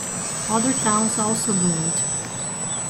Other towns also boomed.